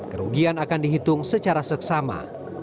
kerugian akan dihitung secara seksama